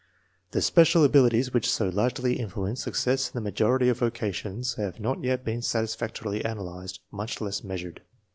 The special abilities which so largely influence success in the majority of vocations have not yet been satisfactorily analyzed, much less measured.